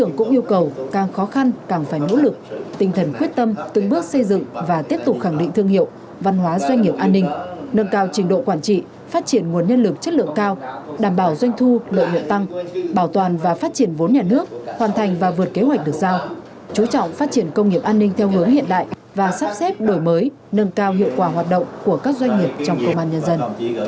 những yêu cầu càng khó khăn càng phải nỗ lực tinh thần quyết tâm từng bước xây dựng và tiếp tục khẳng định thương hiệu văn hóa doanh nghiệp an ninh nâng cao trình độ quản trị phát triển nguồn nhân lực chất lượng cao đảm bảo doanh thu lợi nhuận tăng bảo toàn và phát triển vốn nhà nước hoàn thành và vượt kế hoạch được giao chú trọng phát triển công nghiệp an ninh theo hướng hiện đại và sắp xếp đổi mới nâng cao hiệu quả hoạt động của các doanh nghiệp trong công an nhân dân